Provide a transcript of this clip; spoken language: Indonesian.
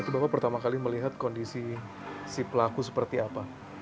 itu bapak pertama kali melihat kondisi si pelaku seperti apa